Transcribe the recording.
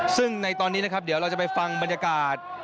ซึ่งในตอนนี้นะครับเดี๋ยวเราจะไปฟังบรรยากาศ